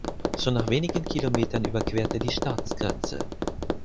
Schon nach wenigen Kilometern überquert er die Staatsgrenze.